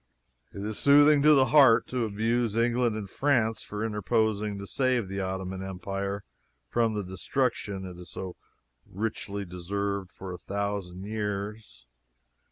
It is soothing to the heart to abuse England and France for interposing to save the Ottoman Empire from the destruction it has so richly deserved for a thousand years.